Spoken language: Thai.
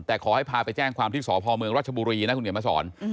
แต่ขอให้พาไปแจ้งความที่สพเมืองรัชบุรีนะคุณเขียนมาสอน